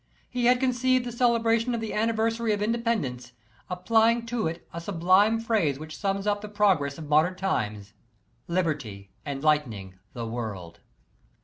He had conceived the celebration of the anniversary of Independence, applying to it a sublime phrase which sums up the progress of modem times: "Liberty Enlightening the World."